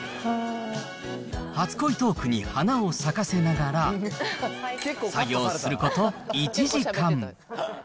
初恋トークに花を咲かせながら、作業すること１時間。